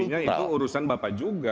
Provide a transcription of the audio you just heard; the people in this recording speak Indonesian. artinya itu urusan bapak juga